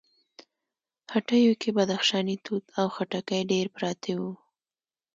هټيو کې بدخشانی توت او خټکي ډېر پراته وو.